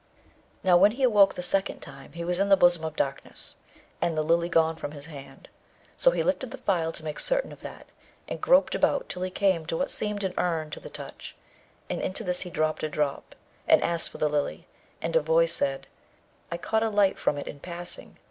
Now, when he awoke the second time he was in the bosom of darkness, and the Lily gone from his hand; so he lifted the phial to make certain of that, and groped about till he came to what seemed an urn to the touch, and into this he dropped a drop, and asked for the Lily; and a voice said, 'I caught a light from it in passing.'